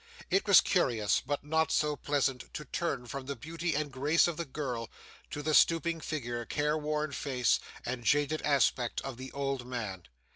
It was curious, but not so pleasant, to turn from the beauty and grace of the girl, to the stooping figure, care worn face, and jaded aspect of the old man.